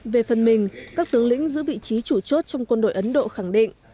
về phần mình các tướng lĩnh giữ vị trí chủ chốt trong quân đội ấn độ khẳng định